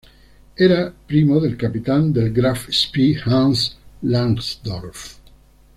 Era primo del capitán del "Graf Spee", Hans Langsdorff.